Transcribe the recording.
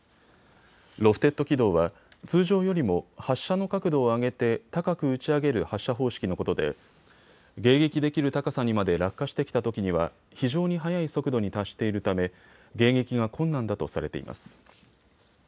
ロフテッド軌道は、通常よりも発射の角度を上げて高く打ち上げる発射方式のことで迎撃できる高さにまで落下してきたときには非常に速い速度に達しているため迎撃が困難だとされています。